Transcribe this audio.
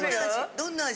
どんな味？